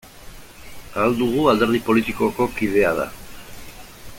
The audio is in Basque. Ahal Dugu alderdi politikoko kidea da.